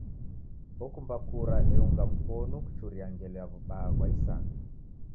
Okumba kura eunga mkonu kuchuria ngelo ya w'ubaa ghwa isanga.